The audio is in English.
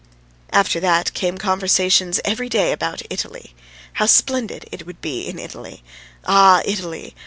After that came conversations every day about Italy: how splendid it would be in Italy ah, Italy!